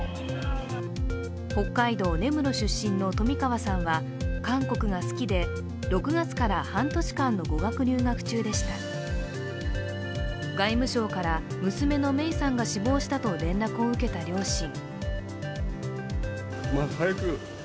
北海道根室出身の冨川さんは韓国が好きで６月から半年間の語学留学中でした外務省から娘の芽生さんが死亡したと連絡を受けた両親。